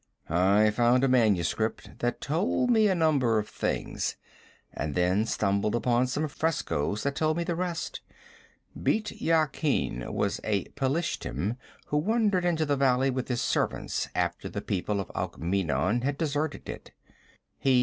'I found a manuscript that told me a number of things, and then stumbled upon some frescoes that told me the rest. Bît Yakin was a Pelishtim who wandered into the valley with his servants after the people of Alkmeenon had deserted it.